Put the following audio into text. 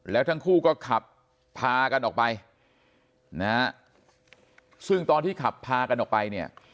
แล้วทั้งคู่ก็ขับพากันออกไปนะฮะซึ่งตอนที่ขับพากันออกไปเนี่ย